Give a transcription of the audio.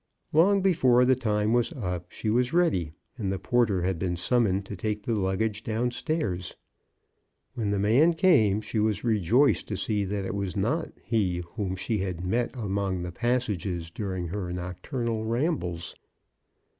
Long before the time was up she was ready, and the porter had been summoned to take the luggage down stairs. When the man came, she was rejoiced to see that it was not he whom she had met among the passages during her nocturnal rambles.